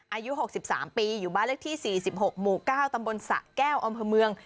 อายุ๖๓ปีอยู่บ้านเลขที่๔๖หมู่๙ตำบลสะแก้วอำเภอเมือง